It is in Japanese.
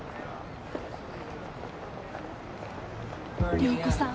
涼子さん